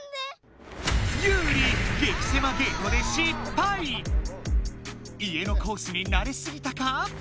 ユウリ家のコースになれすぎたか？